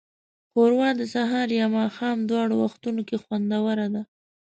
ښوروا د سهار یا ماښام دواړو وختونو کې خوندوره ده.